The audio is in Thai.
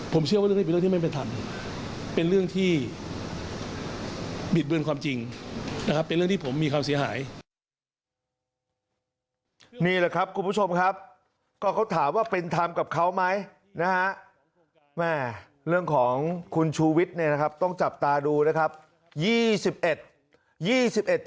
ผมเชื่อว่าเรื่องนี้เป็นเรื่องที่ไม่เป็นธรรมเป็นเรื่องที่บิดเบือนความจริง